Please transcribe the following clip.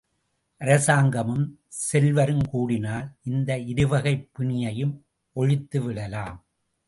அரசாங்கமும், செல்வருங் கூடினால் இந்த இருவகைப் பிணியையும் ஒழித்துவிடலாம்.